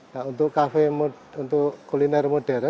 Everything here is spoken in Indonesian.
nah untuk cafe mood untuk kuliner mood itu itu berbeda beda